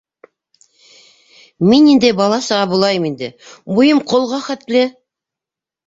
Мин ниндәй бала-саға булайым инде, буйым ҡолға хәтле!